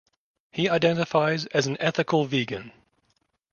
He identifies as an ethical vegan.